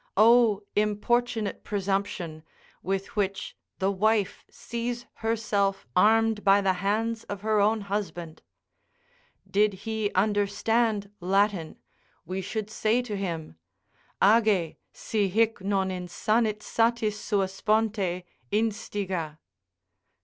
O importunate presumption, with which the wife sees herself armed by the hands of her own husband. Did he understand Latin, we should say to him: "Age, si hic non insanit satis sua sponte, instiga."